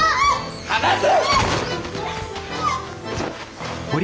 離せ！